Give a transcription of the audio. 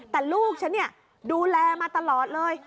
แต่ลูกฉันดูแลมาตลอดเลย